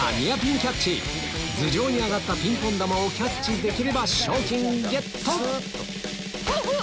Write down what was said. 頭上に上がったピンポン球をキャッチできれば賞金ゲット！ホッ！